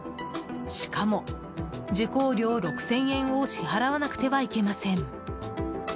しかも受講料６０００円を支払わなくてはいけません。